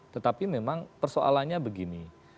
tetapi memang persoalannya begini